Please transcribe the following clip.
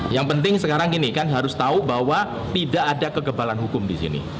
yang penting sekarang ini kan harus tahu bahwa tidak ada kekebalan hukum di sini